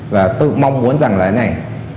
và tôi mong muốn rằng là thế này